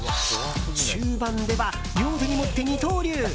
終盤では両手に持って二刀流！